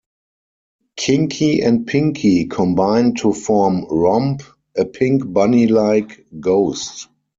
Kinky and Pinky combine to form Romp, a pink bunny-like ghost.